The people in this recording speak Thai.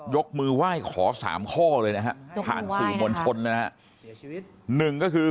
ยกมือไหว้ขอ๓ข้อเลยนะครับผ่านสู่คนชนนะครับหนึ่งก็คือ